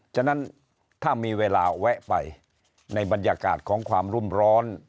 ฉะนั้นถ้ามีเวลาแวะไปในบรรยากาศของความรุ่มร้อน